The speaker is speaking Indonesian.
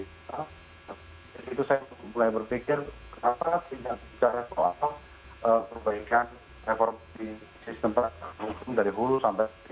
jadi itu saya mulai berpikir kenapa tidak bisa respon atau perbaikan reformasi sistem tersebut dari hulu sampai akhir